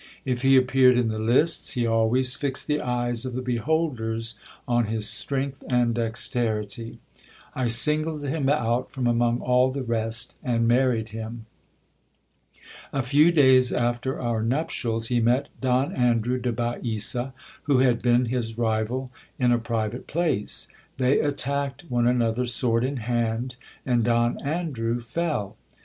If he appeared in the lists, he always fixed the eyes of the beholders on his strength and dexterity. I singled him out from among all the rest, and married him. A few days after our nuptials, he met Don Andrew de Baesa, who had been his rival, in a private place. They attacked one another sword in hand, and Don Andrew fell.